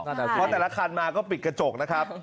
เพราะแต่ละคันมาก็ปิดกระจกนะครับ